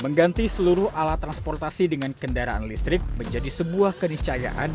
mengganti seluruh alat transportasi dengan kendaraan listrik menjadi sebuah keniscayaan